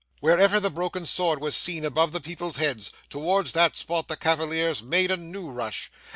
Wherever the broken sword was seen above the people's heads, towards that spot the cavaliers made a new rush.